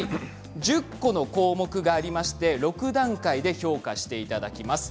１０個の項目がありまして６段階で評価していただきます。